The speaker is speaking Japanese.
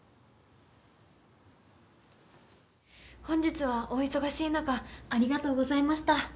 本日はお忙しい中ありがとうございました。